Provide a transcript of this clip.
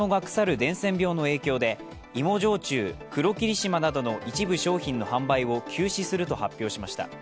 伝染病の影響で芋焼酎、黒霧島などの一部商品の販売を休止すると発表しました。